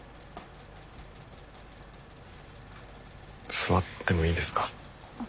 座ってもいいですか？